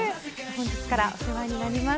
本日からお世話になります。